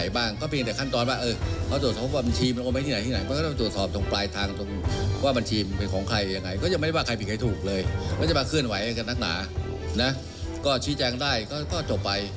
ศวินตรีอัศวินตรีอัศวินตรีอัศวินตรีอัศวินตรีอัศวินตรีอัศวินตรีอัศวินตรีอัศวินตรีอัศวินตรีอัศวินตรีอั